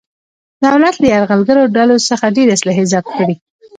دولت له یرغلګرو ډولو څخه ډېرې اصلحې ضبط کړلې.